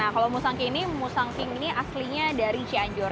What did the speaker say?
kalau nusanking ini aslinya dari cianjur